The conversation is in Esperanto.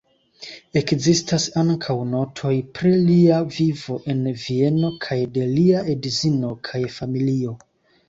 Ekzistas ankaŭ notoj pri lia vivo en Vieno kaj de lia edzino kaj familio.